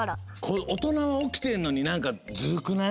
おとなはおきてんのになんかずるくない？